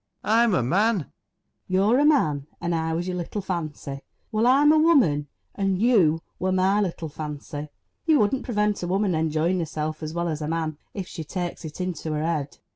I'm a man. FANNY. You're a man, and I was your little fancy. Well, I'm a woman, and you were my little fancy. You wouldn't prevent a woman enjoying herself as well as a man, if she takes it into her head